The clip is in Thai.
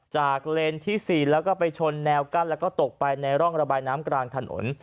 เลนที่๔แล้วก็ไปชนแนวกั้นแล้วก็ตกไปในร่องระบายน้ำกลางถนน